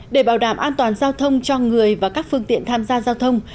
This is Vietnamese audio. để bảo đảm an toàn giao thông cho người và các phương tiện tham gia giao thông